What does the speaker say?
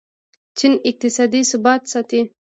چین اقتصادي ثبات ساتي.